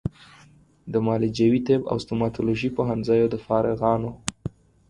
د معالجوي طب او ستوماتولوژي پوهنځیو د فارغانو